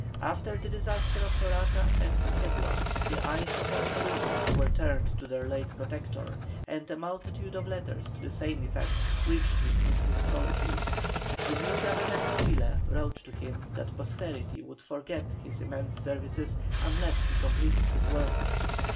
After the disasters of Torata and Moquegua, the eyes of all Peruvians were turned to their late Protector, and a multitude of letters to the same effect reached him in his solitude. The new Government of Chile wrote to him that posterity would forget his immense services unless he completed his work.